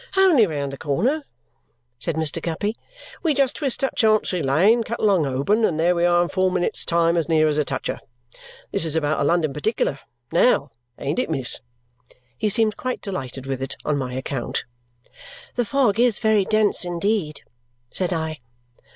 "Only round the corner," said Mr. Guppy. "We just twist up Chancery Lane, and cut along Holborn, and there we are in four minutes' time, as near as a toucher. This is about a London particular NOW, ain't it, miss?" He seemed quite delighted with it on my account. "The fog is very dense indeed!" said I.